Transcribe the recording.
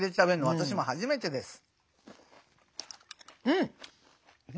私も初めてです。